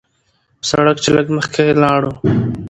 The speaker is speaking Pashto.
پۀ سړک چې لږ مخکښې لاړو